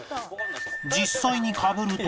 実際にかぶると